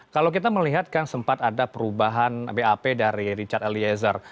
kalau kita melihat kan sempat ada perubahan bap dari richard eliezer